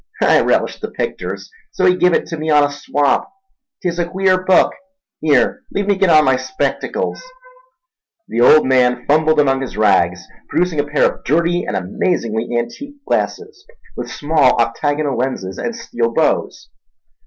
I relished the picters, so he give it in on a swap. 'Tis a queer book—here, leave me git on my spectacles—" The old man fumbled among his rags, producing a pair of dirty and amazingly antique glasses with small octagonal lenses and steel bows.